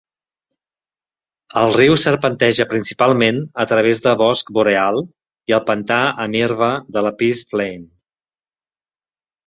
El riu serpenteja principalment a través de bosc boreal i el pantà amb herba de la Peace Plain.